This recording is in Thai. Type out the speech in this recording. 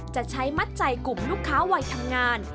จะใช้มัดใจกลุ่มลูกค้าวัยทำงาน